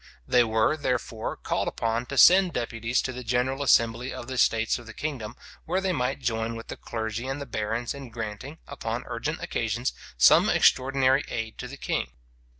They were, therefore, called upon to send deputies to the general assembly of the states of the kingdom, where they might join with the clergy and the barons in granting, upon urgent occasions, some extraordinary aid to the king.